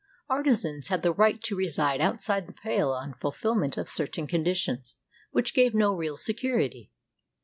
Artisans had the right to reside outside the Pale on fulfillment of certain conditions which gave no real security.